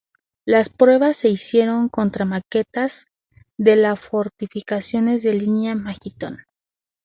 Las pruebas se hicieron contra maquetas de las fortificaciones de la línea Maginot.